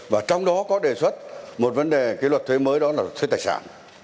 và trong đó có đề xuất một vấn đề cái luật thuế mới đó là luật thuế tài sản